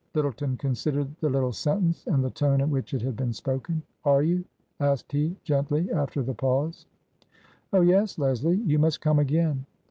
Lyttleton considered the little sentence and the tone in which it had been spoken. Are you ?" asked he, gently, after the pause. Oh, yes, Leslie! You must come again."